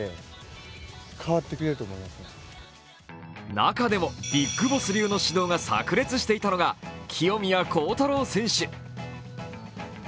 中でもビッグボス流の指導がさく裂していたのは清宮幸太郎選手。